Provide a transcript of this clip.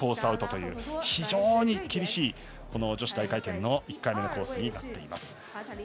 アウトという非常に厳しい女子大回転の１回目のコースになっています。